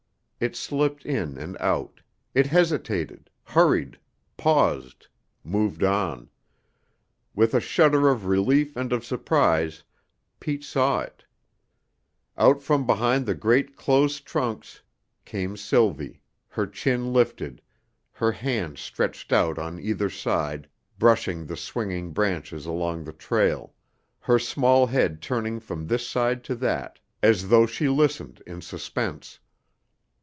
It slipped in and out; it hesitated, hurried, paused, moved on. With a shudder of relief and of surprise, Pete saw it; out from behind the great, close trunks came Sylvie, her chin lifted, her hands stretched out on either side, brushing the swinging branches along the trail, her small head turning from this side to that, as though she listened in suspense.